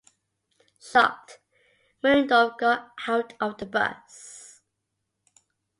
Shocked, Wyndorf got out of the bus.